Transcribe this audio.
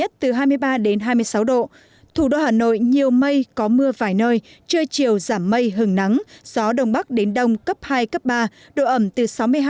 thủ đô hà nội nhiều mây có mưa vài nơi trưa chiều giảm mây hưởng nắng gió đông bắc đến đông cấp hai cấp ba độ ẩm từ sáu mươi hai chín mươi năm